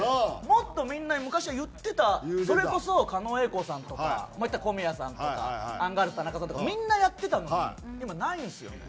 もっとみんな昔は言ってたそれこそ狩野英孝さんとかまあ言ったら小宮さんとかアンガールズ田中さんとかみんなやってたのに今ないんですよね。